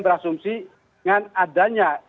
berasumsi dengan adanya